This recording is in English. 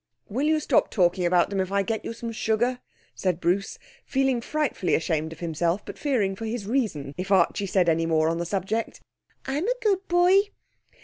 'Will you stop talking about them if I get you some sugar?' said Bruce, feeling frightfully ashamed of himself, but fearing for his reason if Archie said any more on the subject. 'I'm a good boy.